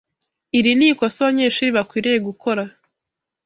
Iri ni ikosa abanyeshuri bakwiriye gukora.